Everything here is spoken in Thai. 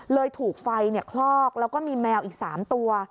ถูกไฟคลอกแล้วก็มีแมวอีก๓ตัว